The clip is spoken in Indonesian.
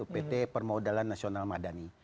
pt permodalan nasional madani